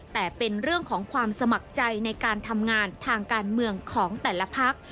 แต่เป็นเรื่องของความสมัครใจในการทำงานทางการเมืองของแต่ละพัก